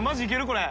これ。